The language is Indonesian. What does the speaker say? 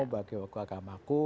bagi wakum agamaku